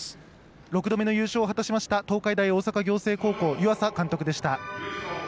◆６度目の優勝を果たしました東海大大阪仰星高校湯浅監督でした。